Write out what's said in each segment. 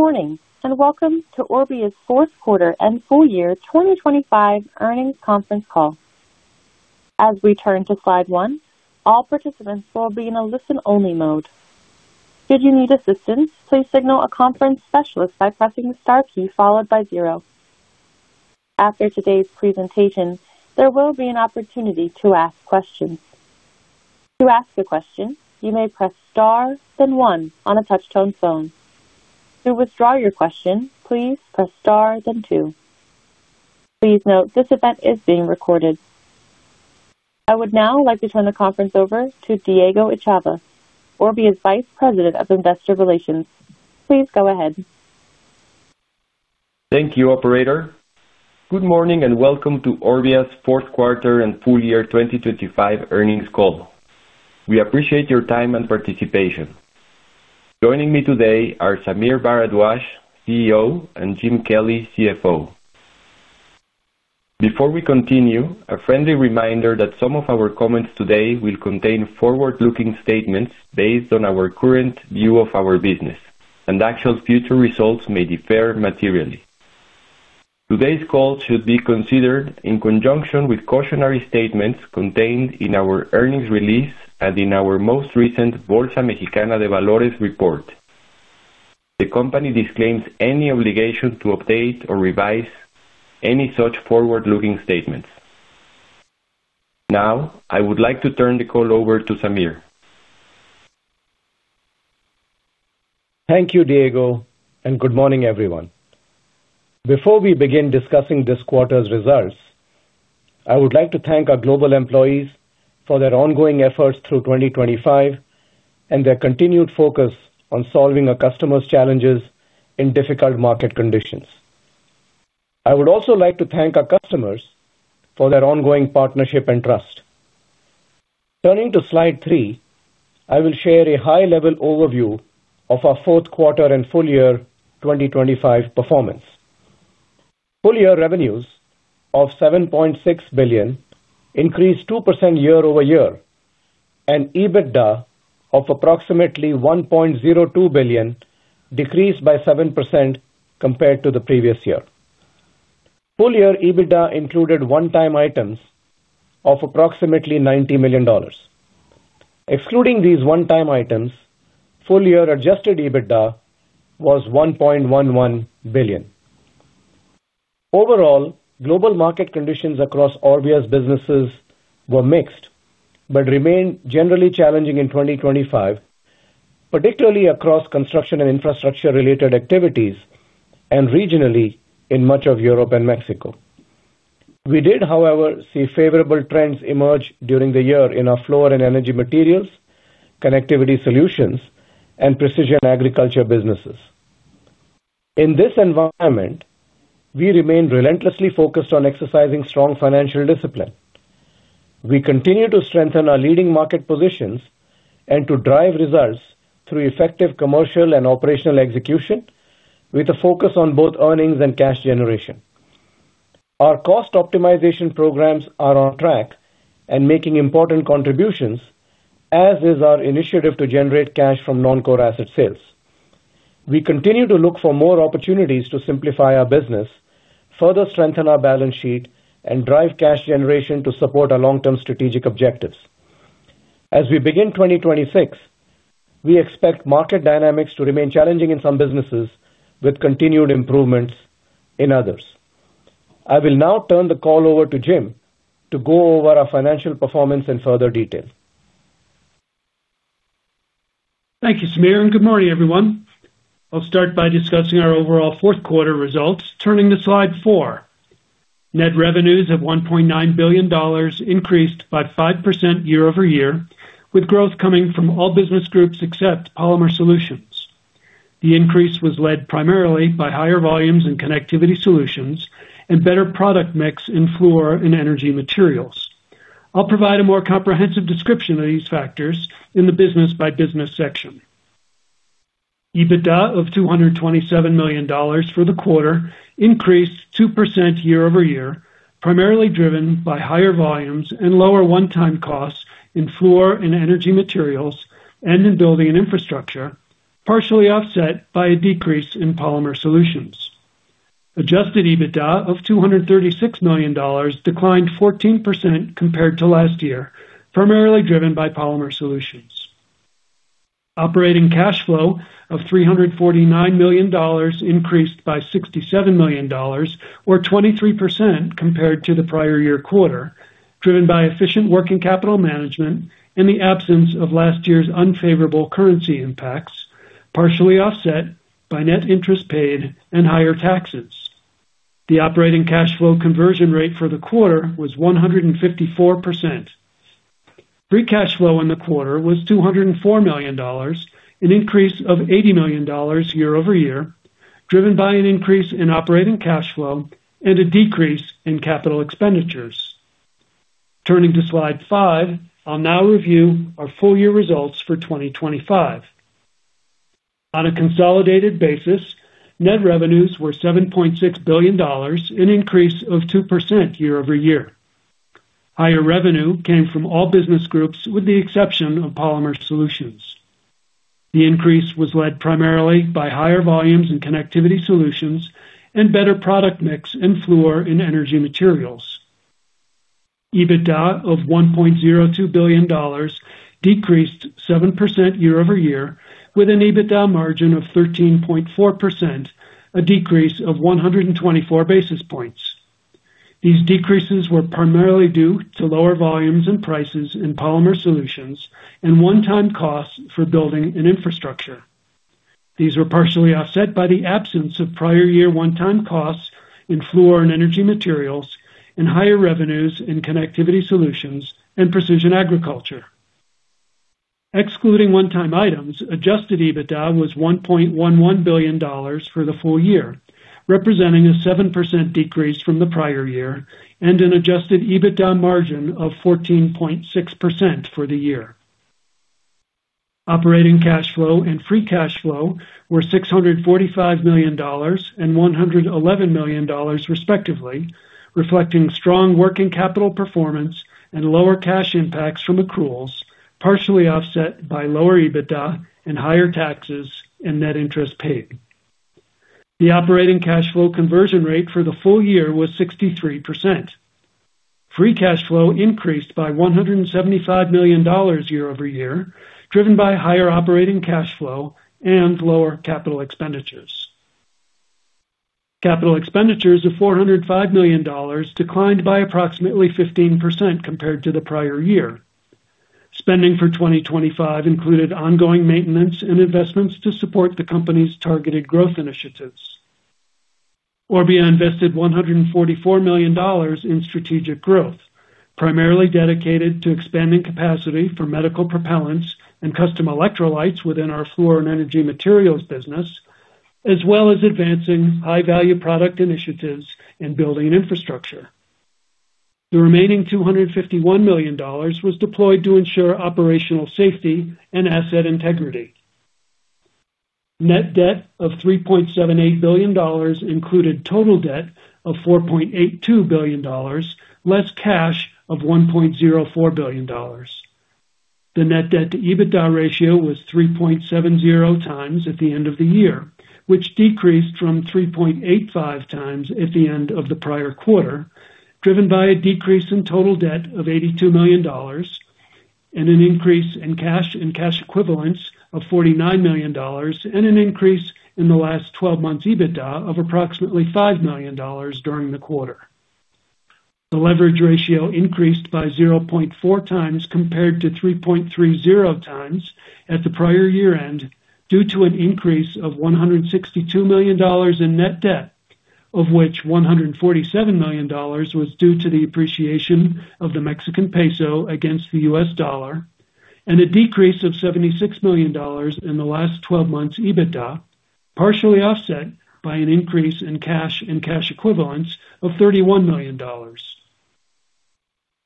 Good morning, and welcome to Orbia's fourth quarter and full year 2025 earnings conference call. As we turn to slide one, all participants will be in a listen-only mode. Should you need assistance, please signal a conference specialist by pressing the star key followed by 0. After today's presentation, there will be an opportunity to ask questions. To ask a question, you may press star, then one on a touch-tone phone. To withdraw your question, please press star then two. Please note, this event is being recorded. I would now like to turn the conference over to Diego Echave, Orbia's Vice President of Investor Relations. Please go ahead. Thank you, operator. Good morning, welcome to Orbia's fourth quarter and full year 2025 earnings call. We appreciate your time and participation. Joining me today are Sameer Bharadwaj, CEO, and Jim Kelly, CFO. Before we continue, a friendly reminder that some of our comments today will contain forward-looking statements based on our current view of our business, and actual future results may differ materially. Today's call should be considered in conjunction with cautionary statements contained in our earnings release and in our most recent Bolsa Mexicana de Valores report. The company disclaims any obligation to update or revise any such forward-looking statements. I would like to turn the call over to Sameer. Thank you, Diego, and good morning, everyone. Before we begin discussing this quarter's results, I would like to thank our global employees for their ongoing efforts through 2025 and their continued focus on solving our customers' challenges in difficult market conditions. I would also like to thank our customers for their ongoing partnership and trust. Turning to slide three, I will share a high-level overview of our fourth quarter and full year 2025 performance. Full year revenues of $7.6 billion increased 2% year-over-year. EBITDA of approximately $1.02 billion decreased by 7% compared to the previous year. Full year EBITDA included one-time items of approximately $90 million. Excluding these one-time items, full year Adjusted EBITDA was $1.11 billion. Overall, global market conditions across Orbia's businesses were mixed, but remained generally challenging in 2025, particularly across construction and infrastructure-related activities and regionally in much of Europe and Mexico. We did, however, see favorable trends emerge during the year in our Fluor & Energy Materials, Connectivity Solutions, and Precision Agriculture businesses. In this environment, we remain relentlessly focused on exercising strong financial discipline. We continue to strengthen our leading market positions and to drive results through effective commercial and operational execution, with a focus on both earnings and cash generation. Our cost optimization programs are on track and making important contributions, as is our initiative to generate cash from non-core asset sales. We continue to look for more opportunities to simplify our business, further strengthen our balance sheet, and drive cash generation to support our long-term strategic objectives. As we begin 2026, we expect market dynamics to remain challenging in some businesses, with continued improvements in others. I will now turn the call over to Jim to go over our financial performance in further detail. Thank you, Sameer. Good morning, everyone. I'll start by discussing our overall fourth quarter results. Turning to slide four. Net revenues of $1.9 billion increased by 5% year-over-year, with growth coming from all business groups except Polymer Solutions. The increase was led primarily by higher volumes in Connectivity Solutions and better product mix in Fluor & Energy Materials. I'll provide a more comprehensive description of these factors in the business-by-business section. EBITDA of $227 million for the quarter increased 2% year-over-year, primarily driven by higher volumes and lower one-time costs in Fluor & Energy Materials and in Building & Infrastructure, partially offset by a decrease in Polymer Solutions. Adjusted EBITDA of $236 million declined 14% compared to last year, primarily driven by Polymer Solutions. Operating cash flow of $349 million increased by $67 million or 23% compared to the prior year quarter, driven by efficient working capital management and the absence of last year's unfavorable currency impacts, partially offset by net interest paid and higher taxes. The operating cash flow conversion rate for the quarter was 154%. Free cash flow in the quarter was $204 million, an increase of $80 million year-over-year, driven by an increase in operating cash flow and a decrease in capital expenditures. Turning to slide five, I'll now review our full year results for 2025. On a consolidated basis, net revenues were $7.6 billion, an increase of 2% year-over-year. Higher revenue came from all business groups, with the exception of Polymer Solutions. The increase was led primarily by higher volumes in Connectivity Solutions and better product mix in Fluor and Energy Materials. EBITDA of $1.02 billion decreased 7% year-over-year, with an EBITDA margin of 13.4%, a decrease of 124 basis points. These decreases were primarily due to lower volumes and prices in Polymer Solutions and one-time costs for building an infrastructure. These were partially offset by the absence of prior year one-time costs in Fluor and Energy Materials and higher revenues in Connectivity Solutions and Precision Agriculture. Excluding one-time items, Adjusted EBITDA was $1.11 billion for the full year, representing a 7% decrease from the prior year and an Adjusted EBITDA margin of 14.6% for the year. Operating cash flow and free cash flow were $645 million and $111 million, respectively, reflecting strong working capital performance and lower cash impacts from accruals, partially offset by lower EBITDA and higher taxes and net interest paid. The operating cash flow conversion rate for the full year was 63%. Free cash flow increased by $175 million year-over-year, driven by higher operating cash flow and lower capital expenditures. Capital expenditures of $405 million declined by approximately 15% compared to the prior year. Spending for 2025 included ongoing maintenance and investments to support the company's targeted growth initiatives. Orbia invested $144 million in strategic growth, primarily dedicated to expanding capacity for medical propellants and custom electrolytes within our Fluor & Energy Materials business, as well as advancing high-value product initiatives and building infrastructure. The remaining $251 million was deployed to ensure operational safety and asset integrity. Net debt of $3.78 billion included total debt of $4.82 billion, less cash of $1.04 billion. The net debt to EBITDA ratio was 3.70x at the end of the year, which decreased from 3.85x at the end of the prior quarter, driven by a decrease in total debt of $82 million and an increase in cash and cash equivalents of $49 million, and an increase in the last 12 months EBITDA of approximately $5 million during the quarter. The leverage ratio increased by 0.4x compared to 3.30x at the prior year-end, due to an increase of $162 million in net debt, of which $147 million was due to the appreciation of the Mexican peso against the U.S. dollar, and a decrease of $76 million in the last 12 months EBITDA, partially offset by an increase in cash and cash equivalents of $31 million.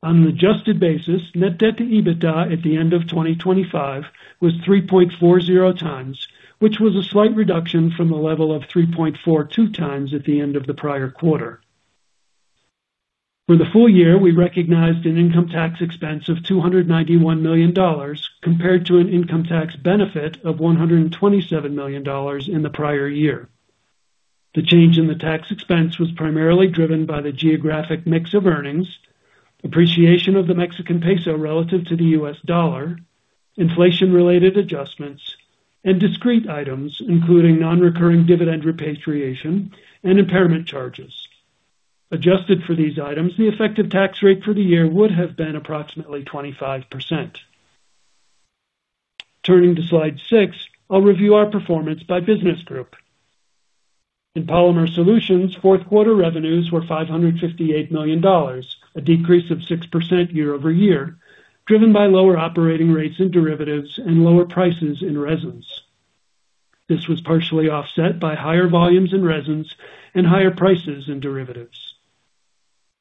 On an adjusted basis, net debt to EBITDA at the end of 2025 was 3.40x, which was a slight reduction from a level of 3.42x at the end of the prior quarter. For the full year, we recognized an income tax expense of $291 million, compared to an income tax benefit of $127 million in the prior year. The change in the tax expense was primarily driven by the geographic mix of earnings, appreciation of the Mexican peso relative to the U.S. dollar, inflation-related adjustments, and discrete items, including non-recurring dividend repatriation and impairment charges. Adjusted for these items, the effective tax rate for the year would have been approximately 25%. Turning to slide six, I'll review our performance by business group. In Polymer Solutions, fourth quarter revenues were $558 million, a decrease of 6% year-over-year, driven by lower operating rates and derivatives and lower prices in resins. This was partially offset by higher volumes in resins and higher prices in derivatives.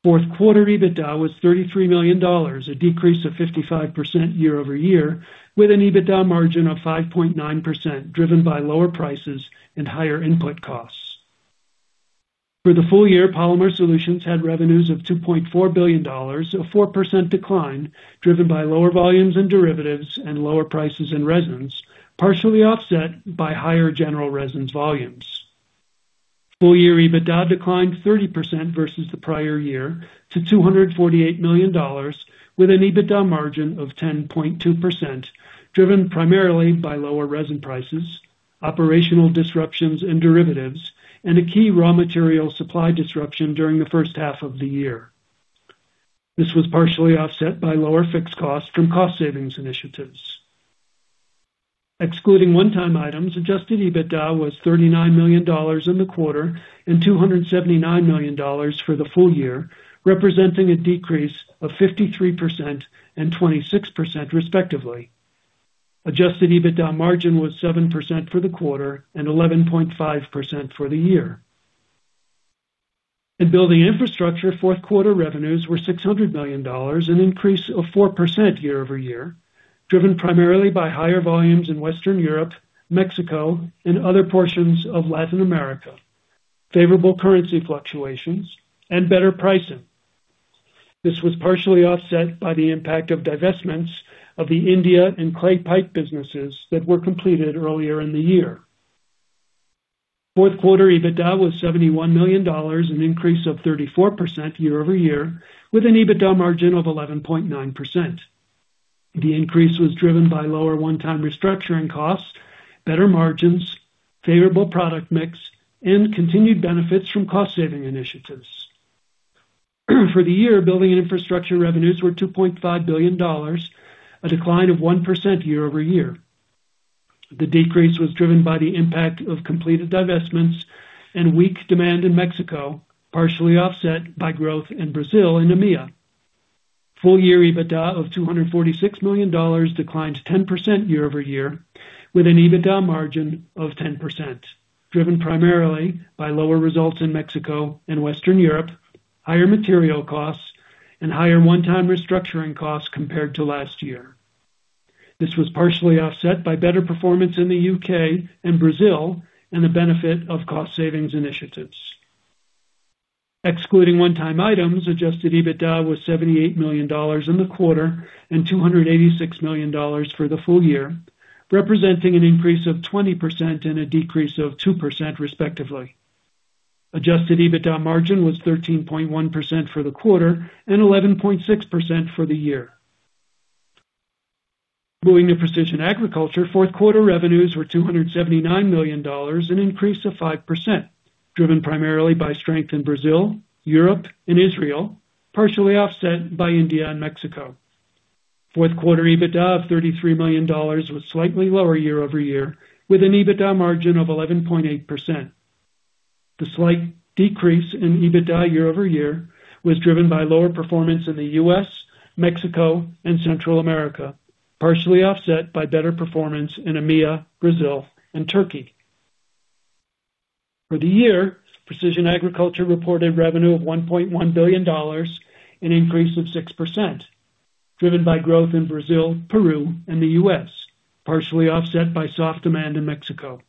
Fourth quarter EBITDA was $33 million, a decrease of 55% year-over-year, with an EBITDA margin of 5.9%, driven by lower prices and higher input costs. For the full year, Polymer Solutions had revenues of $2.4 billion, a 4% decline, driven by lower volumes and derivatives and lower prices in resins, partially offset by higher general resins volumes. Full year EBITDA declined 30% versus the prior year to $248 million, with an EBITDA margin of 10.2%, driven primarily by lower resin prices, operational disruptions and derivatives, and a key raw material supply disruption during the first half of the year. This was partially offset by lower fixed costs from cost savings initiatives. Excluding one-time items, Adjusted EBITDA was $39 million in the quarter and $279 million for the full year, representing a decrease of 53% and 26% respectively. Adjusted EBITDA margin was 7% for the quarter and 11.5% for the year. In Building & Infrastructure, fourth quarter revenues were $600 million, an increase of 4% year-over-year, driven primarily by higher volumes in Western Europe, Mexico, and other portions of Latin America, favorable currency fluctuations, and better pricing. This was partially offset by the impact of divestments of the India and Clay Pipe businesses that were completed earlier in the year. Fourth quarter EBITDA was $71 million, an increase of 34% year-over-year, with an EBITDA margin of 11.9%. The increase was driven by lower one-time restructuring costs, better margins, favorable product mix, and continued benefits from cost-saving initiatives. For the year, Building & Infrastructure revenues were $2.5 billion, a decline of 1% year-over-year. The decrease was driven by the impact of completed divestments and weak demand in Mexico, partially offset by growth in Brazil and EMEA. Full year EBITDA of $246 million declined 10% year-over-year, with an EBITDA margin of 10%, driven primarily by lower results in Mexico and Western Europe, higher material costs, and higher one-time restructuring costs compared to last year. This was partially offset by better performance in the U.K. and Brazil and the benefit of cost savings initiatives. Excluding one-time items, Adjusted EBITDA was $78 million in the quarter and $286 million for the full year, representing an increase of 20% and a decrease of 2% respectively. Adjusted EBITDA margin was 13.1% for the quarter and 11.6% for the year. Moving to Precision Agriculture, fourth quarter revenues were $279 million, an increase of 5%, driven primarily by strength in Brazil, Europe and Israel, partially offset by India and Mexico. Fourth quarter EBITDA of $33 million was slightly lower year-over-year, with an EBITDA margin of 11.8%. The slight decrease in EBITDA year-over-year was driven by lower performance in the U.S., Mexico, and Central America, partially offset by better performance in EMEA, Brazil, and Turkey. For the year, Precision Agriculture reported revenue of $1.1 billion, an increase of 6%, driven by growth in Brazil, Peru, and the US, partially offset by soft demand in Mexico.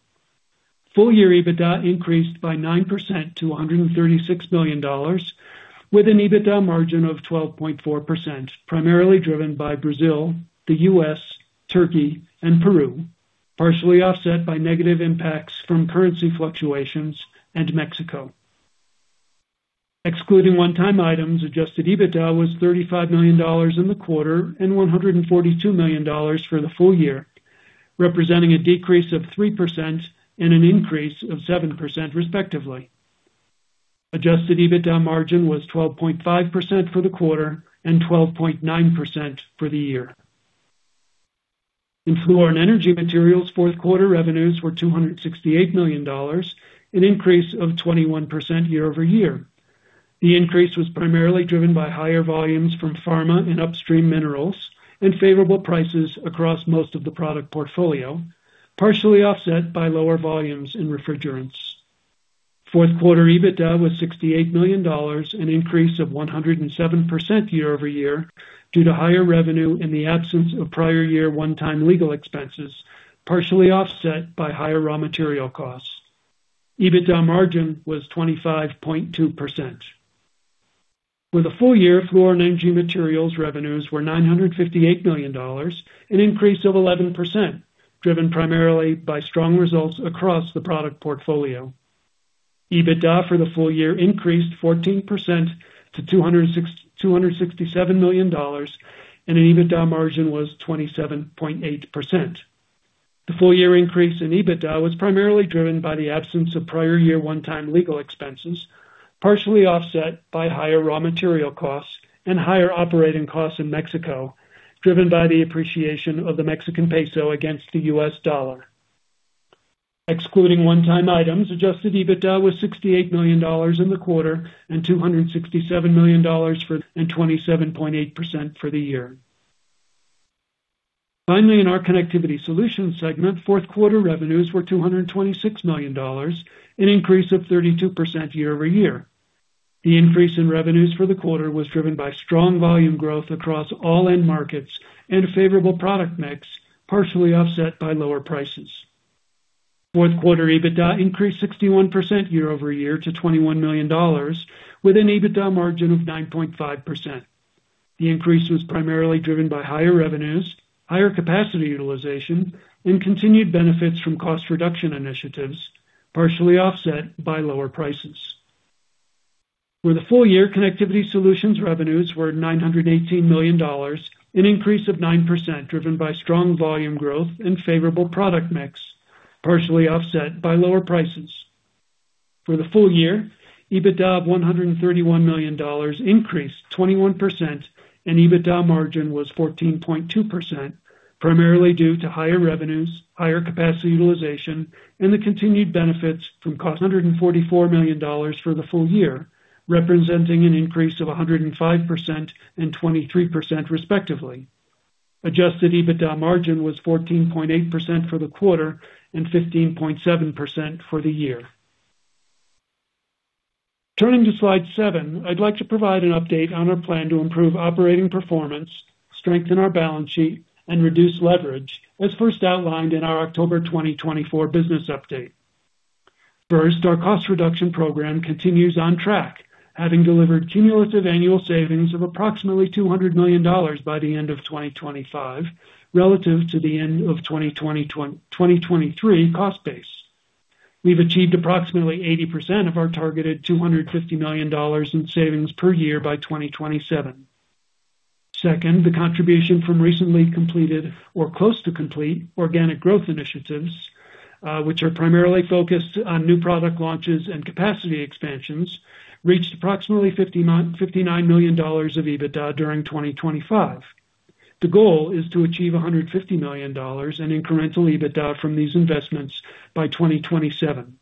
Full year EBITDA increased by 9% to $136 million, with an EBITDA margin of 12.4%, primarily driven by Brazil, the US, Turkey, and Peru, partially offset by negative impacts from currency fluctuations and Mexico. Excluding one-time items, Adjusted EBITDA was $35 million in the quarter and $142 million for the full year, representing a decrease of 3% and an increase of 7% respectively. Adjusted EBITDA margin was 12.5% for the quarter and 12.9% for the year. In Fluor & Energy Materials, fourth quarter revenues were $268 million, an increase of 21% year-over-year. The increase was primarily driven by higher volumes from pharma and upstream minerals and favorable prices across most of the product portfolio, partially offset by lower volumes in refrigerants. Fourth quarter EBITDA was $68 million, an increase of 107% year-over-year, due to higher revenue in the absence of prior-year one-time legal expenses, partially offset by higher raw material costs. EBITDA margin was 25.2%. With the full year, Fluor & Energy Materials revenues were $958 million, an increase of 11%, driven primarily by strong results across the product portfolio. EBITDA for the full year increased 14% to $267 million. An EBITDA margin was 27.8%. The full year increase in EBITDA was primarily driven by the absence of prior-year one-time legal expenses, partially offset by higher raw material costs and higher operating costs in Mexico, driven by the appreciation of the Mexican peso against the U.S. dollar. Excluding one-time items, Adjusted EBITDA was $68 million in the quarter and $267 million for, and 27.8% for the year. In our Connectivity Solutions segment, fourth quarter revenues were $226 million, an increase of 32% year-over-year. The increase in revenues for the quarter was driven by strong volume growth across all end markets and a favorable product mix, partially offset by lower prices. Fourth quarter EBITDA increased 61% year-over-year to $21 million, with an EBITDA margin of 9.5%. The increase was primarily driven by higher revenues, higher capacity utilization, and continued benefits from cost reduction initiatives, partially offset by lower prices. For the full year, Connectivity Solutions revenues were $918 million, an increase of 9%, driven by strong volume growth and favorable product mix, partially offset by lower prices. For the full year, EBITDA of $131 million increased 21%, and EBITDA margin was 14.2%, primarily due to higher revenues, higher capacity utilization, and the continued benefits from cost-- $144 million for the full year, representing an increase of 105% and 23% respectively. Adjusted EBITDA margin was 14.8% for the quarter and 15.7% for the year. Turning to slide seven, I'd like to provide an update on our plan to improve operating performance, strengthen our balance sheet, and reduce leverage, as first outlined in our October 2024 business update. First, our cost reduction program continues on track, having delivered cumulative annual savings of approximately $200 million by the end of 2025, relative to the end of 2023 cost base. We've achieved approximately 80% of our targeted $250 million in savings per year by 2027. Second, the contribution from recently completed or close to complete organic growth initiatives, which are primarily focused on new product launches and capacity expansions, reached approximately $59 million of EBITDA during 2025. The goal is to achieve $150 million in incremental EBITDA from these investments by 2027.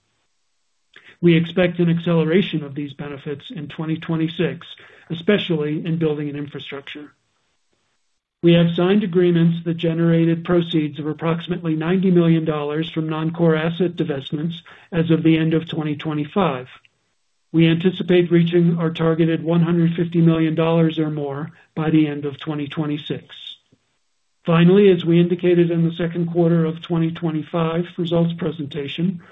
We expect an acceleration of these benefits in 2026, especially in building an infrastructure. We have signed agreements that generated proceeds of approximately $90 million from non-core asset divestments as of the end of 2025. We anticipate reaching our targeted $150 million or more by the end of 2026. As we indicated in the second quarter of 2025 results presentation,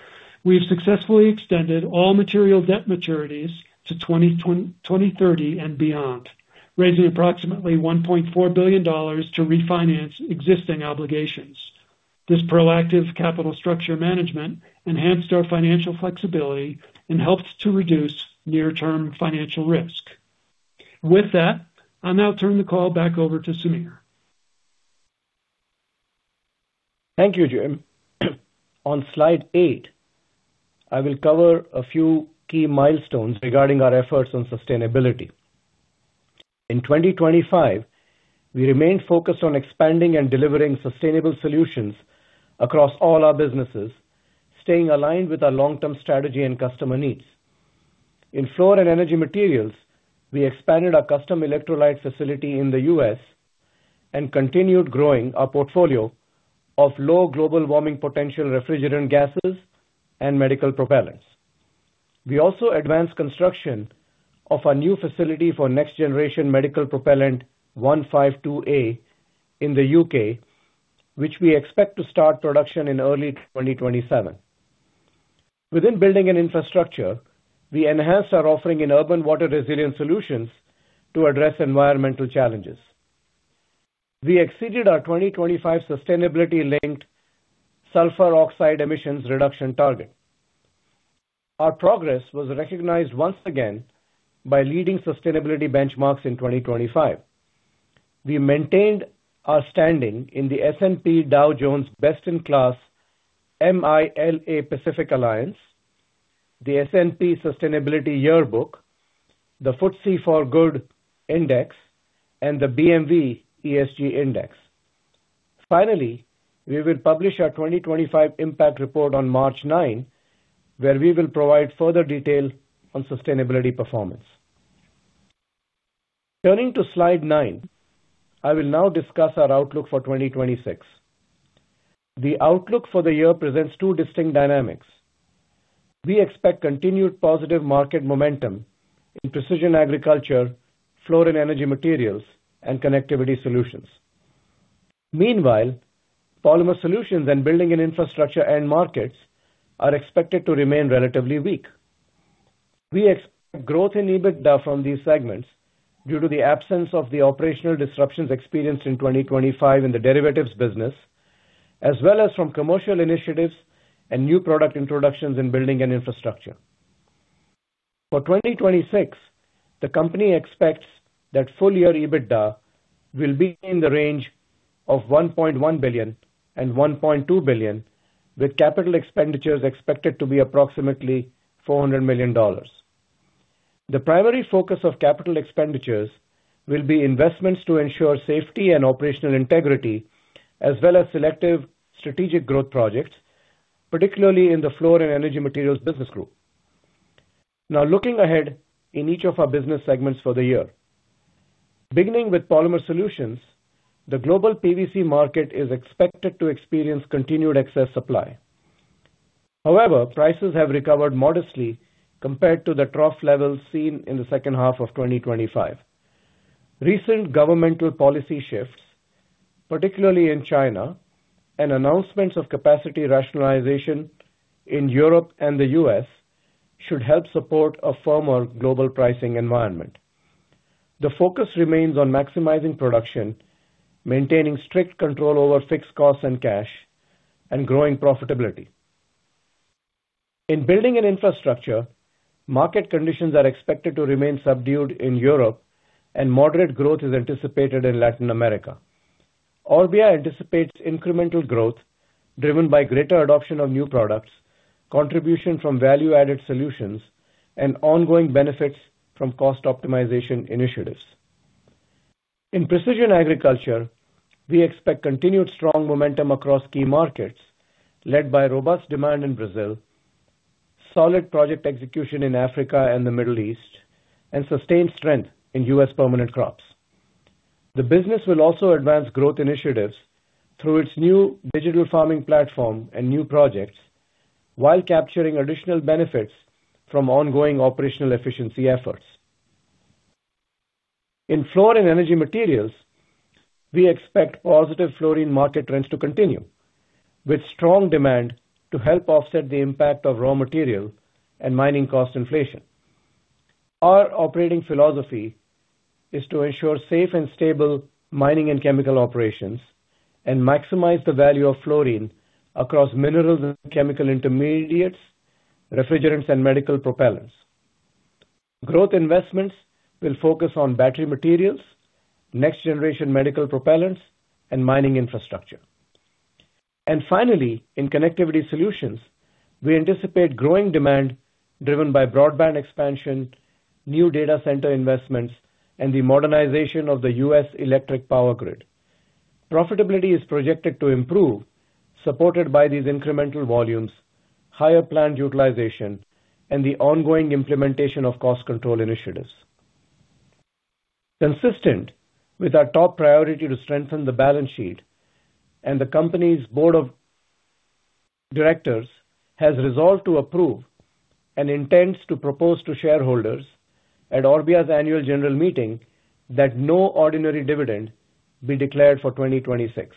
we've successfully extended all material debt maturities to 2030 and beyond, raising approximately $1.4 billion to refinance existing obligations. This proactive capital structure management enhanced our financial flexibility and helped to reduce near-term financial risk. With that, I'll now turn the call back over to Sameer. Thank you, Jim. On slide eight, I will cover a few key milestones regarding our efforts on sustainability. In 2025, we remained focused on expanding and delivering sustainable solutions across all our businesses, staying aligned with our long-term strategy and customer needs. In Fluor & Energy Materials, we expanded our custom electrolyte facility in the U.S. and continued growing our portfolio of low global warming potential refrigerant gases and medical propellants. We also advanced construction of a new facility for next-generation medical propellant 152a in the U.K., which we expect to start production in early 2027. Within Building & Infrastructure, we enhanced our offering in urban water-resilient solutions to address environmental challenges. We exceeded our 2025 sustainability-linked sulfur oxides emissions reduction target. Our progress was recognized once again by leading sustainability benchmarks in 2025. We maintained our standing in the S&P Dow Jones Sustainability MILA Pacific Alliance Index, the S&P Global Sustainability Yearbook, the FTSE4Good Index, and the S&P/BMV Total Mexico ESG Index. Finally, we will publish our 2025 impact report on March 9th, where we will provide further detail on sustainability performance. Turning to Slide nine, I will now discuss our outlook for 2026. The outlook for the year presents two distinct dynamics. We expect continued positive market momentum in Precision Agriculture, Fluor & Energy Materials, and Connectivity Solutions. Meanwhile, Polymer Solutions and Building & Infrastructure end markets are expected to remain relatively weak. We expect growth in EBITDA from these segments due to the absence of the operational disruptions experienced in 2025 in the derivatives business, as well as from commercial initiatives and new product introductions in Building & Infrastructure. For 2026, the company expects that full year EBITDA will be in the range of $1.1 billion and $1.2 billion, with capital expenditures expected to be approximately $400 million. The primary focus of capital expenditures will be investments to ensure safety and operational integrity, as well as selective strategic growth projects, particularly in the Fluor & Energy Materials business group. Looking ahead in each of our business segments for the year. Beginning with Polymer Solutions, the global PVC market is expected to experience continued excess supply. Prices have recovered modestly compared to the trough levels seen in the second half of 2025. Recent governmental policy shifts, particularly in China, and announcements of capacity rationalization in Europe and the U.S., should help support a firmer global pricing environment. The focus remains on maximizing production, maintaining strict control over fixed costs and cash, and growing profitability. In Building & Infrastructure, market conditions are expected to remain subdued in Europe, and moderate growth is anticipated in Latin America. Orbia anticipates incremental growth driven by greater adoption of new products, contribution from value-added solutions, and ongoing benefits from cost optimization initiatives. In Precision Agriculture, we expect continued strong momentum across key markets, led by robust demand in Brazil, solid project execution in Africa and the Middle East, and sustained strength in U.S. permanent crops. The business will also advance growth initiatives through its new digital farming platform and new projects, while capturing additional benefits from ongoing operational efficiency efforts. In Fluor & Energy Materials, we expect positive fluorine market trends to continue, with strong demand to help offset the impact of raw material and mining cost inflation. Our operating philosophy is to ensure safe and stable mining and chemical operations and maximize the value of fluorine across minerals and chemical intermediates, refrigerants, and medical propellants. Growth investments will focus on battery materials, next-generation medical propellants, and mining infrastructure. Finally, in Connectivity Solutions, we anticipate growing demand driven by broadband expansion, new data center investments, and the modernization of the U.S. electric power grid. Profitability is projected to improve, supported by these incremental volumes, higher plant utilization, and the ongoing implementation of cost control initiatives. Consistent with our top priority to strengthen the balance sheet and the company's Board of Directors has resolved to approve and intends to propose to shareholders at Orbia's Annual General Meeting that no ordinary dividend be declared for 2026.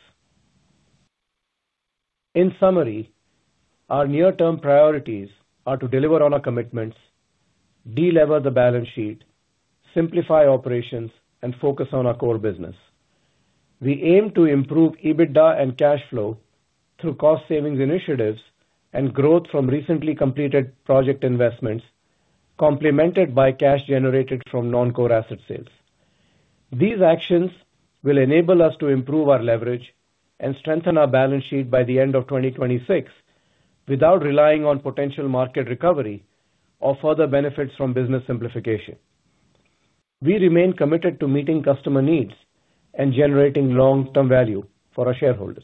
In summary, our near-term priorities are to deliver on our commitments, delever the balance sheet, simplify operations, and focus on our core business. We aim to improve EBITDA and cash flow through cost savings initiatives and growth from recently completed project investments, complemented by cash generated from non-core asset sales. These actions will enable us to improve our leverage and strengthen our balance sheet by the end of 2026, without relying on potential market recovery or further benefits from business simplification. We remain committed to meeting customer needs and generating long-term value for our shareholders.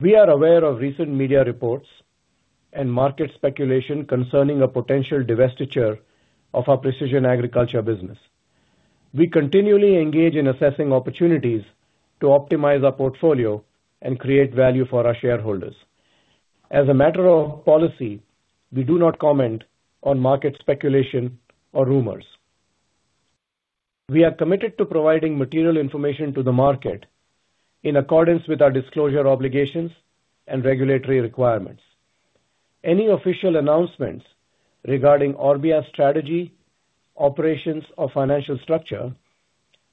We are aware of recent media reports and market speculation concerning a potential divestiture of our Precision Agriculture business. We continually engage in assessing opportunities to optimize our portfolio and create value for our shareholders. As a matter of policy, we do not comment on market speculation or rumors. We are committed to providing material information to the market in accordance with our disclosure obligations and regulatory requirements. Any official announcements regarding Orbia's strategy, operations or financial structure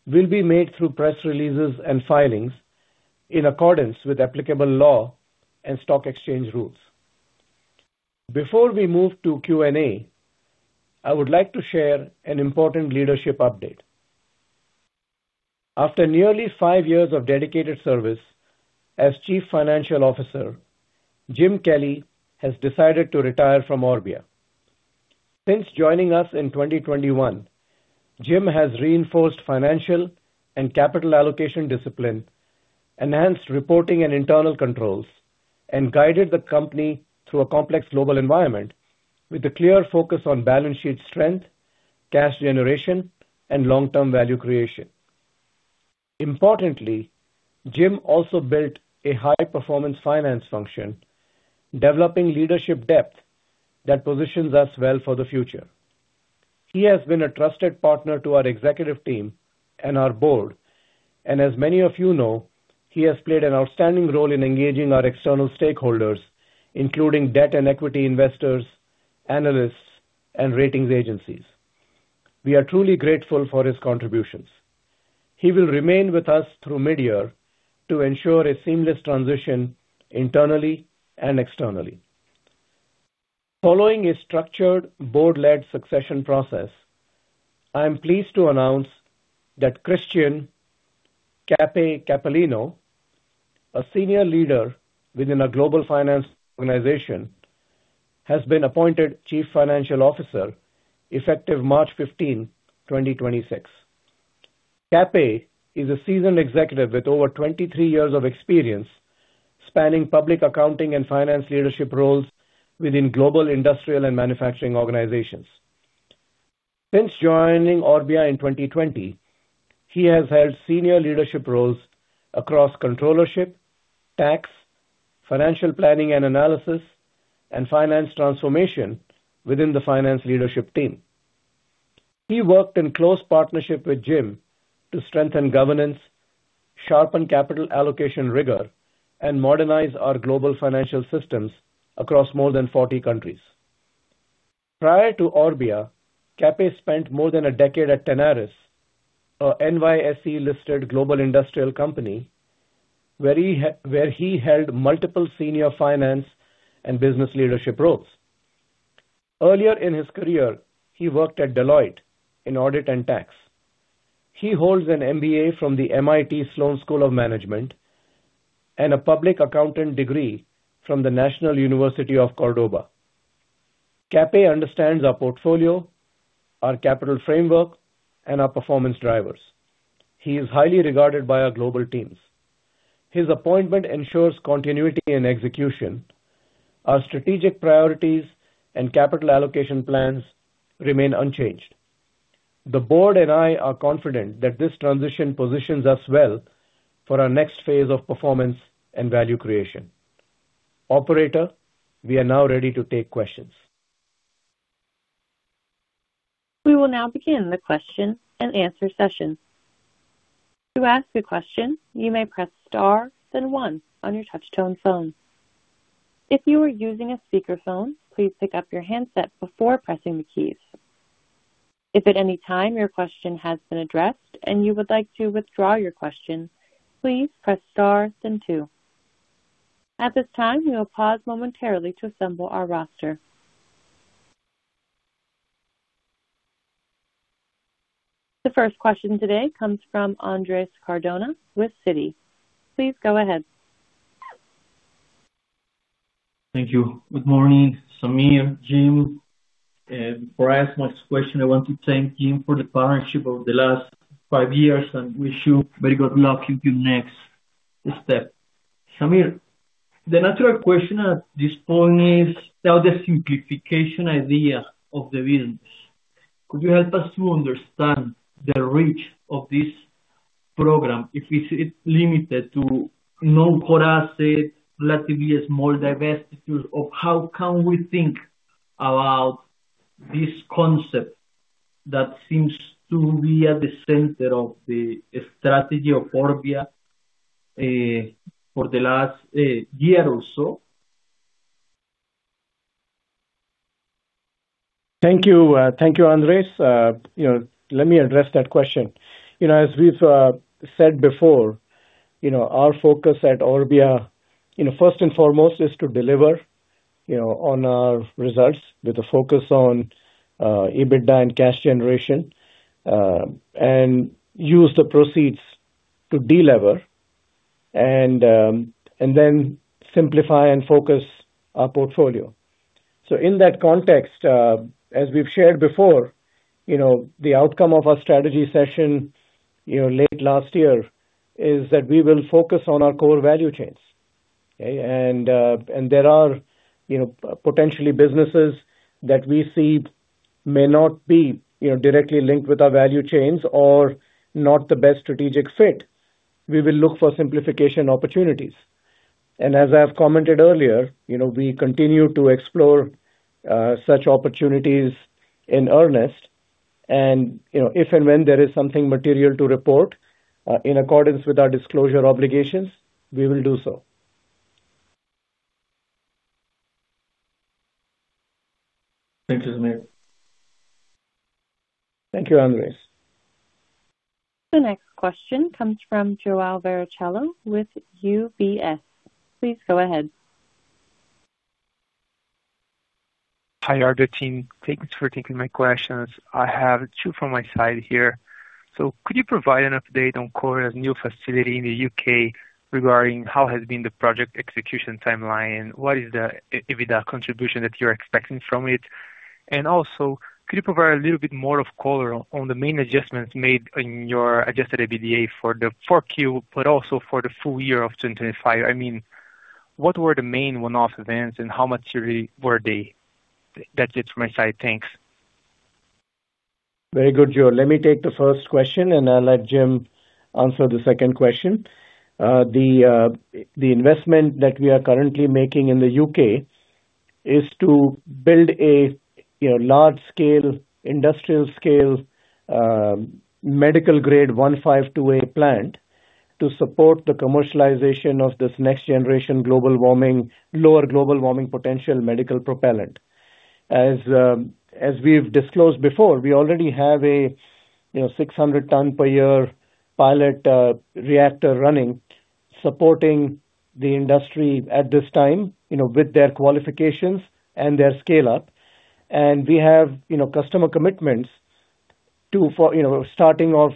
will be made through press releases and filings in accordance with applicable law and stock exchange rules. Before we move to Q&A, I would like to share an important leadership update. After nearly five years of dedicated service as Chief Financial Officer, Jim Kelly has decided to retire from Orbia. Since joining us in 2021, Jim has reinforced financial and capital allocation discipline, enhanced reporting and internal controls, and guided the company through a complex global environment with a clear focus on balance sheet strength, cash generation, and long-term value creation. Importantly, Jim also built a high-performance finance function, developing leadership depth that positions us well for the future. He has been a trusted partner to our executive team and our board, and as many of you know, he has played an outstanding role in engaging our external stakeholders, including debt and equity investors, analysts, and ratings agencies. We are truly grateful for his contributions. He will remain with us through midyear to ensure a seamless transition internally and externally. Following a structured Board-led succession process, I am pleased to announce that Christian Capece Cappellino, a senior leader within a global finance organization, has been appointed Chief Financial Officer, effective March 15, 2026. Cape is a seasoned executive with over 23 years of experience, spanning public accounting and finance leadership roles within global industrial and manufacturing organizations. Since joining Orbia in 2020, he has held senior leadership roles across controllership, tax, financial planning and analysis, and finance transformation within the finance leadership team. He worked in close partnership with Jim to strengthen governance, sharpen capital allocation rigor, and modernize our global financial systems across more than 40 countries. Prior to Orbia, Cape spent more than a decade at Tenaris, a NYSE-listed global industrial company, where he held multiple senior finance and business leadership roles. Earlier in his career, he worked at Deloitte in audit and tax. He holds an MBA from the MIT Sloan School of Management and a public accountant degree from the National University of Córdoba. Cape understands our portfolio, our capital framework, and our performance drivers. He is highly regarded by our global teams. His appointment ensures continuity and execution. Our strategic priorities and capital allocation plans remain unchanged. The Board and I are confident that this transition positions us well for our next phase of performance and value creation. Operator, we are now ready to take questions. We will now begin the question and answer session. To ask a question, you may press star, then one on your touch-tone phone. If you are using a speakerphone, please pick up your handset before pressing the keys. If at any time your question has been addressed and you would like to withdraw your question, please press star then two. At this time, we will pause momentarily to assemble our roster. The first question today comes from Andrés Cardona with Citi. Please go ahead. Thank you. Good morning, Sameer, Jim. Before I ask my question, I want to thank Jim for the partnership over the last five years and wish you very good luck in your next step. Sameer, the natural question at this point is about the simplification idea of the business. Could you help us to understand the reach of this program, if it's limited to no core asset, relatively small divestitures, or how can we think about this concept that seems to be at the center of the strategy of Orbia for the last year or so? Thank you. Thank you, Andrés. You know, let me address that question. You know, as we've said before, you know, our focus at Orbia, you know, first and foremost is to deliver, you know, on our results with a focus on EBITDA and cash generation, and use the proceeds to delever and then simplify and focus our portfolio. In that context, as we've shared before, you know, the outcome of our strategy session, you know, late last year, is that we will focus on our core value chains. Okay? And there are, you know, potentially businesses that we see may not be, you know, directly linked with our value chains or not the best strategic fit. We will look for simplification opportunities. As I've commented earlier, you know, we continue to explore such opportunities in earnest and, you know, if and when there is something material to report in accordance with our disclosure obligations, we will do so. Thank you, Sameer. Thank you, Andrés. The next question comes from João Barichello with UBS. Please go ahead. Hi, Orbia team. Thank you for taking my questions. I have two from my side here. Could you provide an update on Koura new facility in the U.K. regarding how has been the project execution timeline? What is the EBITDA contribution that you're expecting from it? Also, could you provide a little bit more of color on the main adjustments made in your Adjusted EBITDA for the Q4, but also for the full year of 2025? I mean, what were the main one-off events and how much really were they? That's it from my side. Thanks. Very good, João. Let me take the first question, and I'll let Jim answer the second question. The investment that we are currently making in the U.K. is to build a, you know, large-scale, industrial-scale, medical-grade 152a plant to support the commercialization of this next generation global warming, lower global warming potential medical propellant. As we've disclosed before, we already have a, you know, 600 tons per year pilot reactor running, supporting the industry at this time, you know, with their qualifications and their scale-up, and we have, you know, customer commitments to, for, you know, starting of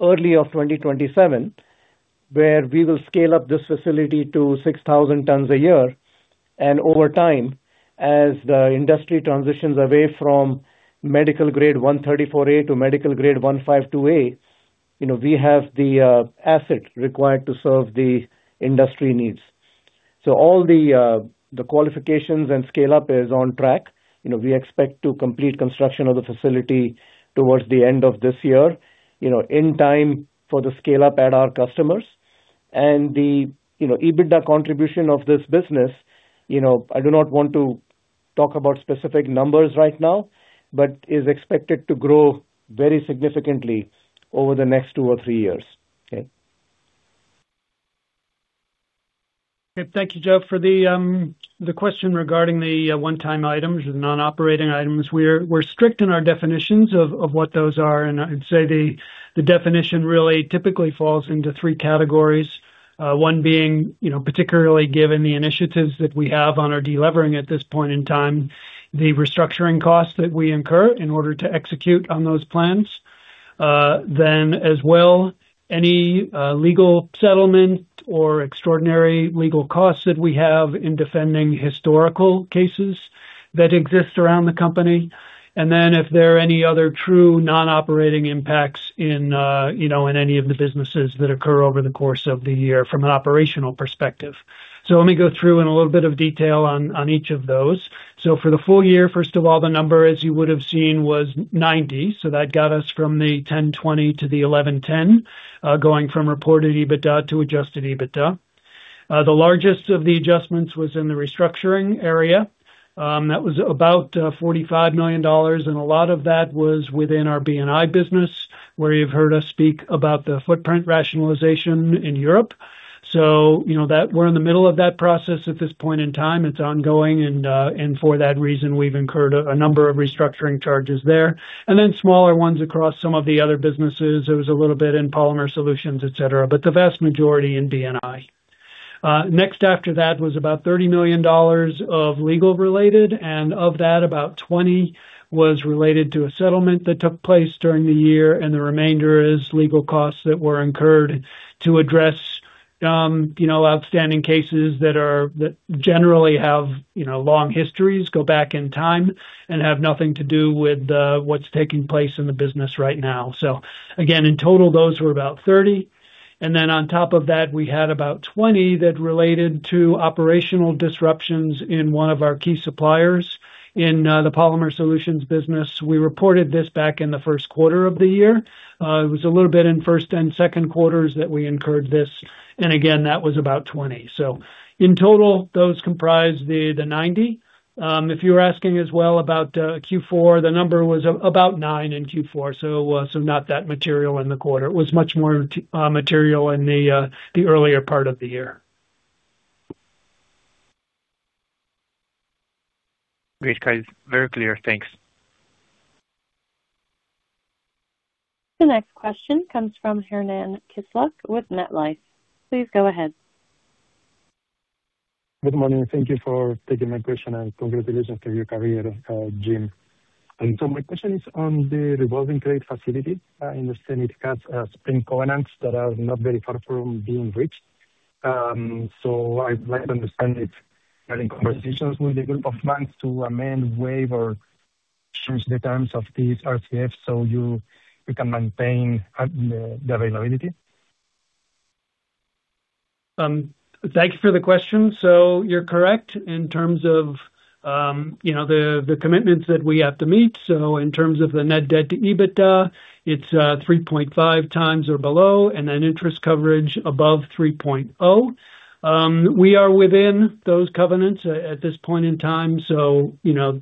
early of 2027, where we will scale up this facility to 6,000 tons a year. Over time, as the industry transitions away from medical grade 134a to medical-grade 152a, you know, we have the asset required to serve the industry needs. All the qualifications and scale-up is on track. You know, we expect to complete construction of the facility towards the end of this year, you know, in time for the scale-up at our customers. The, you know, EBITDA contribution of this business, you know, I do not want to talk about specific numbers right now, but is expected to grow very significantly over the next two or three years. Okay? Thank you, João, for the question regarding the one-time items and non-operating items. We're strict in our definitions of what those are, and I'd say the definition really typically falls into three categories. One being, you know, particularly given the initiatives that we have on our delevering at this point in time, the restructuring costs that we incur in order to execute on those plans. Then as well, any legal settlement or extraordinary legal costs that we have in defending historical cases that exist around the company. If there are any other true non-operating impacts in, you know, in any of the businesses that occur over the course of the year from an operational perspective. Let me go through in a little bit of detail on each of those. For the full year, first of all, the number, as you would have seen, was 90. That got us from the 1,020 to the 1,110, going from reported EBITDA to Adjusted EBITDA. The largest of the adjustments was in the restructuring area, that was about $45 million, and a lot of that was within our B&I business, where you've heard us speak about the footprint rationalization in Europe. You know that we're in the middle of that process at this point in time. It's ongoing, and for that reason, we've incurred a number of restructuring charges there, and then smaller ones across some of the other businesses. There was a little bit in Polymer Solutions, et cetera, but the vast majority in B&I. Next, after that was about $30 million of legal related, and of that, about $20 million was related to a settlement that took place during the year, and the remainder is legal costs that were incurred to address, you know, outstanding cases that generally have, you know, long histories, go back in time and have nothing to do with what's taking place in the business right now. Again, in total, those were about $30 million, and then on top of that, we had about $20 million that related to operational disruptions in one of our key suppliers in the Polymer Solutions business. We reported this back in the first quarter of the year. It was a little bit in first and second quarters that we incurred this, and again, that was about $20 million. In total, those comprised the $90 million. If you were asking as well about Q4, the number was about $9 million in Q4, so not that material in the quarter. It was much more material in the earlier part of the year. Great, guys. Very clear. Thanks. The next question comes from Hernán Kisluk with MetLife. Please go ahead. Good morning. Thank you for taking my question. Congratulations on your career, Jim. My question is on the revolving credit facility. I understand it has spring covenants that are not very far from being reached. I'd like to understand if having conversations with a group of banks to amend, waive, or change the terms of these RCFs so you can maintain the availability. Thanks for the question. You're correct in terms of, you know, the commitments that we have to meet. In terms of the net debt-to-EBITDA, it's 3.5x or below, and then interest coverage above 3.0x. We are within those covenants at this point in time, so you know.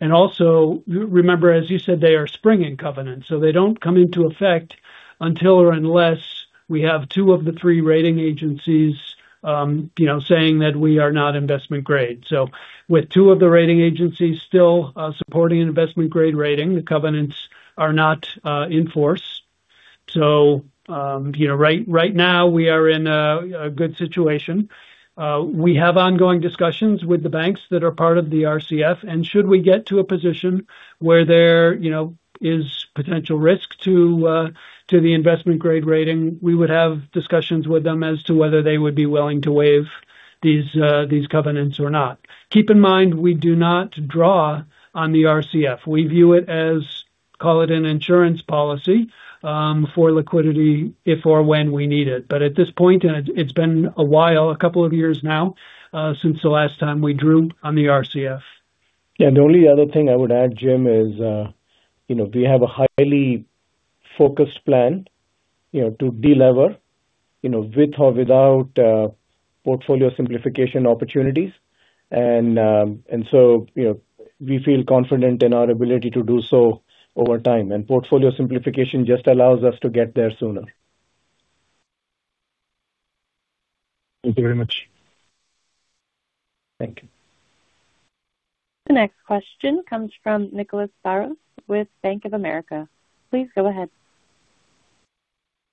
Also, remember, as you said, they are springing covenants, so they don't come into effect until or unless we have two of the three rating agencies, you know, saying that we are not investment grade. With two of the rating agencies still supporting investment grade rating, the covenants are not in force. you know, right now we are in a good situation. We have ongoing discussions with the banks that are part of the RCF. Should we get to a position where there, you know, is potential risk to the investment grade rating, we would have discussions with them as to whether they would be willing to waive these covenants or not. Keep in mind, we do not draw on the RCF. We view it as, call it an insurance policy, for liquidity, if or when we need it. At this point, and it's been a while, two years now, since the last time we drew on the RCF. Yeah. The only other thing I would add, Jim, is, you know, we have a highly focused plan, you know, to delever, you know, with or without, portfolio simplification opportunities. So, you know, we feel confident in our ability to do so over time, and portfolio simplification just allows us to get there sooner. Thank you very much. Thank you. The next question comes from Nicolas Barros with Bank of America. Please go ahead.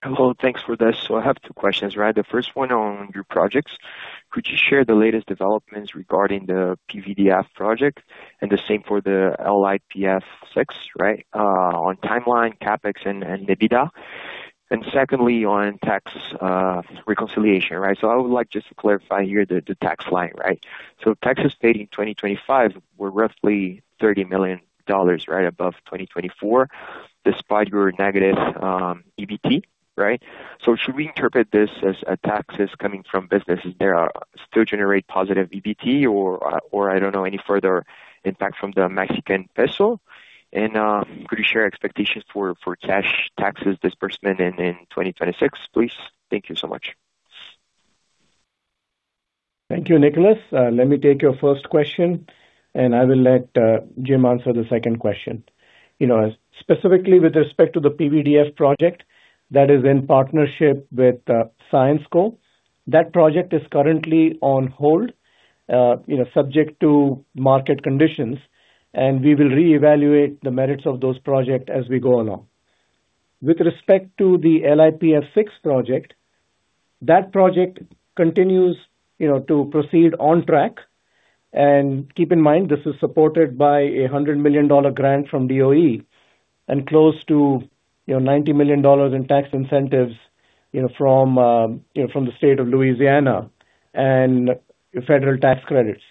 I have two questions, right. The first one on your projects. Could you share the latest developments regarding the PVDF project and the same for the LiPF6, right? On timeline, CapEx and EBITDA. Secondly, on tax reconciliation, right? I would like just to clarify here the tax line, right? Taxes paid in 2025 were roughly $30 million, right above 2024, despite your negative EBT, right? Should we interpret this as taxes coming from businesses that are still generate positive EBT or I don't know, any further impact from the Mexican peso? Could you share expectations for cash taxes disbursement in 2026, please? Thank you so much. Thank you, Nicholas Barros. Let me take your first question, and I will let Jim answer the second question. You know, specifically with respect to the PVDF project, that is in partnership with Syensqo. That project is currently on hold, you know, subject to market conditions, and we will reevaluate the merits of those project as we go along. With respect to the LiPF6 project, that project continues, you know, to proceed on track. Keep in mind, this is supported by a $100 million grant from DOE. And close to, you know, $90 million in tax incentives, you know, from, you know, from the state of Louisiana and federal tax credits.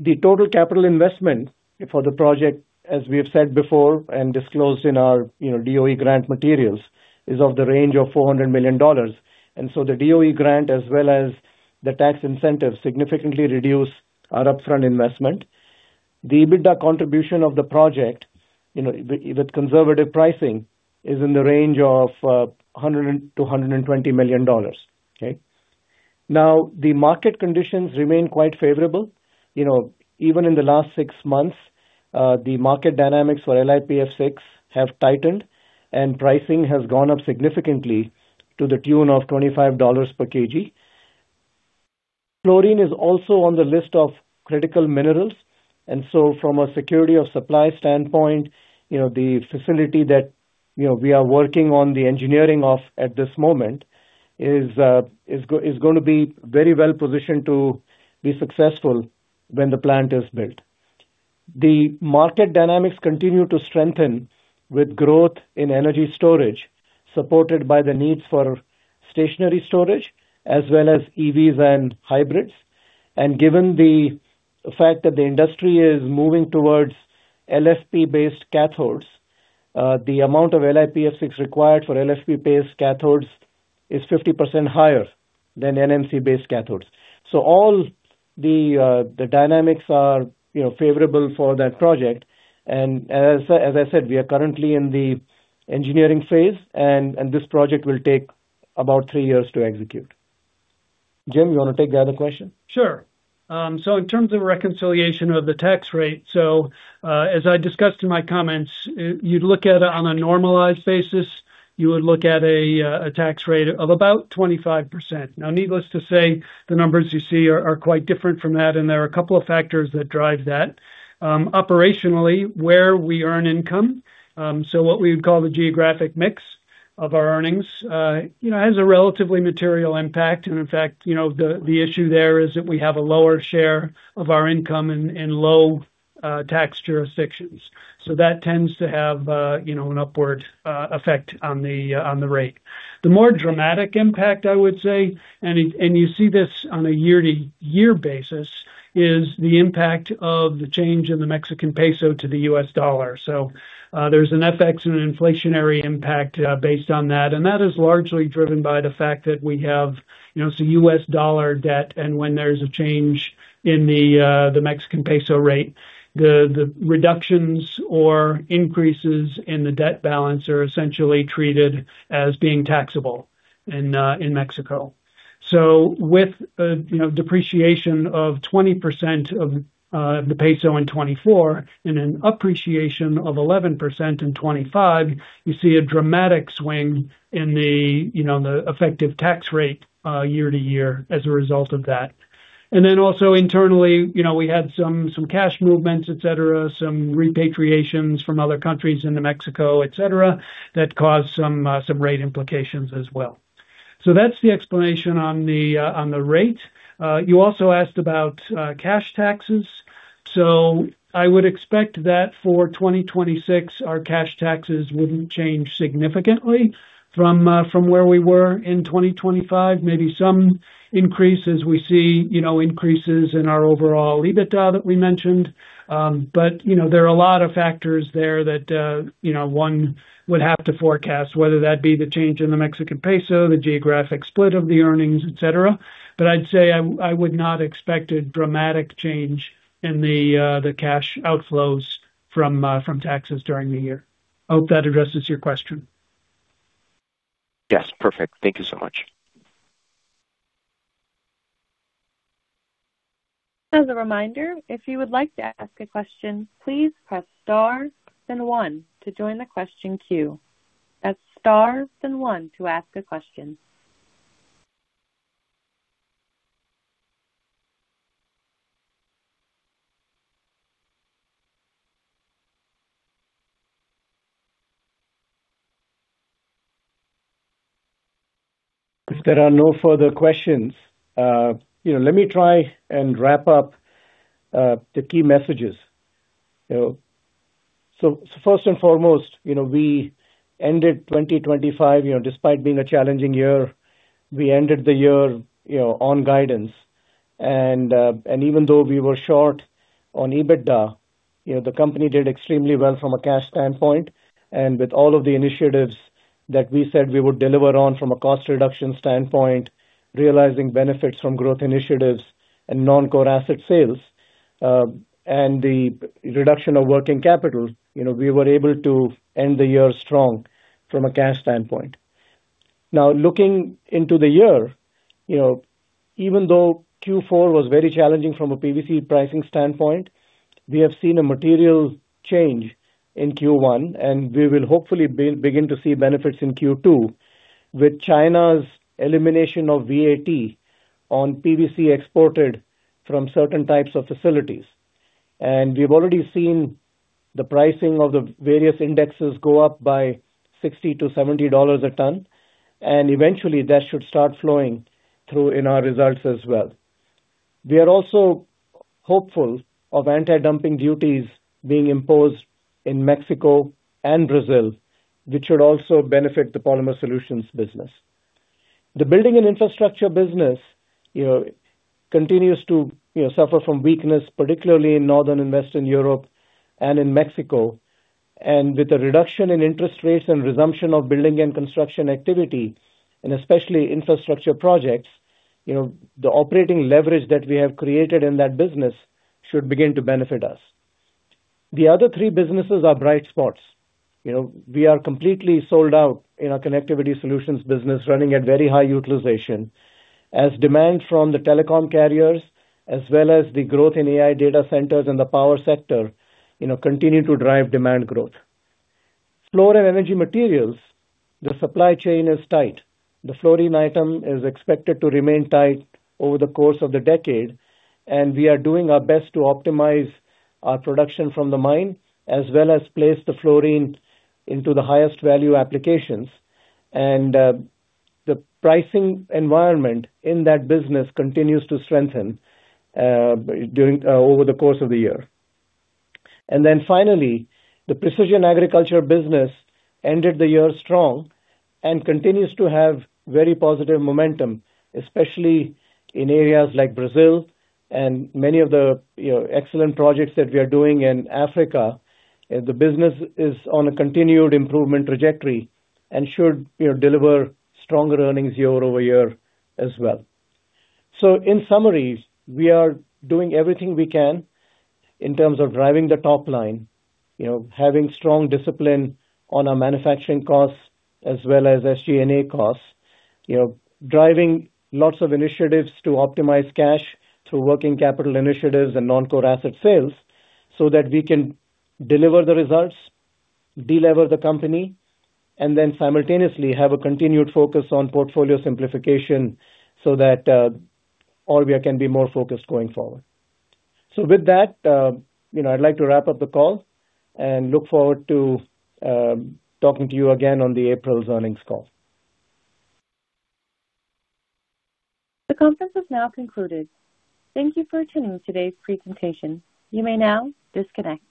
The total capital investment for the project, as we have said before and disclosed in our, you know, DOE grant materials, is of the range of $400 million. The DOE grant, as well as the tax incentives, significantly reduce our upfront investment. The EBITDA contribution of the project, you know, with conservative pricing, is in the range of $100 million-$120 million. Okay? The market conditions remain quite favorable. You know, even in the last six months, the market dynamics for LiPF6 have tightened, and pricing has gone up significantly to the tune of $25 per kg. Chlorine is also on the list of critical minerals, from a security-of-supply standpoint, you know, the facility that, you know, we are working on the engineering of at this moment is going to be very well positioned to be successful when the plant is built. The market dynamics continue to strengthen with growth in energy storage, supported by the need for stationary storage as well as EVs and hybrids. Given the fact that the industry is moving towards LFP-based cathodes, the amount of LiPF6 required for LFP-based cathodes is 50% higher than NMC-based cathodes. All the, you know, dynamics are favorable for that project. As I said, we are currently in the engineering phase, and this project will take about three years to execute. Jim, you want to take the other question? Sure. In terms of reconciliation of the tax rate, as I discussed in my comments, you'd look at it on a normalized basis. You would look at a tax rate of about 25%. Needless to say, the numbers you see are quite different from that, and there are a couple of factors that drive that. Operationally, where we earn income, so what we would call the geographic mix of our earnings, you know, has a relatively material impact. In fact, you know, the issue there is that we have a lower share of our income in low tax jurisdictions. That tends to have, you know, an upward effect on the rate. The more dramatic impact, I would say, and you see this on a year-to-year basis, is the impact of the change in the Mexican peso to the U.S. dollar. There's an FX and an inflationary impact based on that, and that is largely driven by the fact that we have, you know, some U.S. dollar debt, and when there's a change in the Mexican peso rate, the reductions or increases in the debt balance are essentially treated as being taxable in Mexico. With a, you know, depreciation of 20% of the peso in 2024 and an appreciation of 11% in 2025, you see a dramatic swing in the, you know, the effective tax rate year-to-year as a result of that. Also internally, you know, we had some cash movements, et cetera, some repatriations from other countries into Mexico, et cetera, that caused some rate implications as well. That's the explanation on the, on the rate. You also asked about cash taxes. I would expect that for 2026, our cash taxes wouldn't change significantly from where we were in 2025. Maybe some increase as we see, you know, increases in our overall EBITDA that we mentioned. You know, there are a lot of factors there that, you know, one would have to forecast, whether that be the change in the Mexican peso, the geographic split of the earnings, et cetera. I'd say I would not expect a dramatic change in the cash outflows from taxes during the year. I hope that addresses your question. Yes, perfect. Thank you so much. As a reminder, if you would like to ask a question, please press star and one to join the question queue. That's star and one to ask a question. If there are no further questions, you know, let me try and wrap up the key messages. You know, first and foremost, you know, we ended 2025, you know, despite being a challenging year, we ended the year, you know, on guidance. Even though we were short on EBITDA, you know, the company did extremely well from a cash standpoint. With all of the initiatives that we said we would deliver on from a cost reduction standpoint, realizing benefits from growth initiatives and non-core asset sales, and the reduction of working capital, you know, we were able to end the year strong from a cash standpoint. Now, looking into the year, you know, even though Q4 was very challenging from a PVC pricing standpoint, we have seen a material change in Q1, and we will hopefully begin to see benefits in Q2 with China's elimination of VAT on PVC exported from certain types of facilities. And we've already seen the pricing of the various indexes go up by $60-$70 a ton, and eventually that should start flowing through in our results as well. We are also hopeful of anti-dumping duties being imposed in Mexico and Brazil, which should also benefit the Polymer Solutions business. The Building and Infrastructure business, you know, continues to, you know, suffer from weakness, particularly in Northern and Western Europe and in Mexico. With the reduction in interest rates and resumption of building and construction activity, and especially infrastructure projects, you know, the operating leverage that we have created in that business should begin to benefit us. The other three businesses are bright spots. You know, we are completely sold out in our Connectivity Solutions business, running at very high utilization, as demand from the telecom carriers, as well as the growth in AI data centers and the power sector, you know, continue to drive demand growth. Fluor & Energy Materials, the supply chain is tight. The fluorine item is expected to remain tight over the course of the decade, and we are doing our best to optimize our production from the mine, as well as place the fluorine into the highest value applications. The pricing environment in that business continues to strengthen during over the course of the year. Finally, the Precision Agriculture business ended the year strong and continues to have very positive momentum, especially in areas like Brazil and many of the, you know, excellent projects that we are doing in Africa. The business is on a continued improvement trajectory and should, you know, deliver stronger earnings year-over-year as well. In summary, we are doing everything we can in terms of driving the top line, you know, having strong discipline on our manufacturing costs as well as SG&A costs. You know, driving lots of initiatives to optimize cash through working capital initiatives and non-core asset sales, so that we can deliver the results, delever the company, and then simultaneously have a continued focus on portfolio simplification so that, Orbia can be more focused going forward. With that, you know, I'd like to wrap up the call and look forward to talking to you again on the April earnings call. The conference has now concluded. Thank you for attending today's presentation. You may now disconnect.